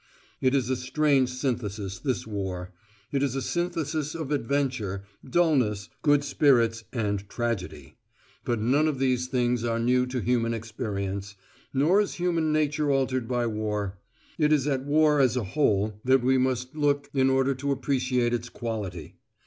It is a strange synthesis, this war: it is a synthesis of adventure, dulness, good spirits, and tragedy; but none of these things are new to human experience; nor is human nature altered by war. It is at war as a whole that we must look in order to appreciate its quality.